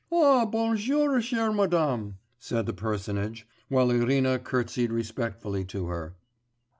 'Eh bonjour, chère Madame,' said the personage, while Irina curtseyed respectfully to her.